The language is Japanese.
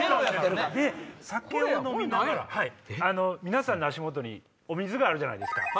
皆さんの足元にお水があるじゃないですか。